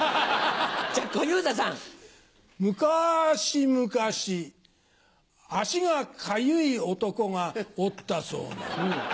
じゃ小遊三さん！むかしむかし足がかゆい男がおったそうな。